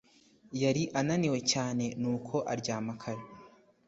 Yari ananiwe cyane nuko aryama kare